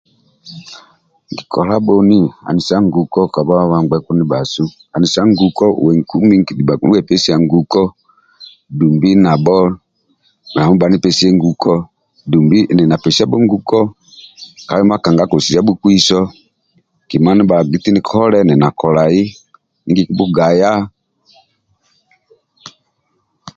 Nkikolabhoni anisa nguko kowa bhangbeku ndibhasu anisa uwe nkumi okudubha wepesiye nguko dumbi nabho bhanipesiye nguko